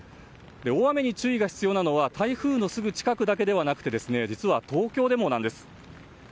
大雨に注意が必要なのは台風のすぐ近くだけではなく実は東京でもなんです。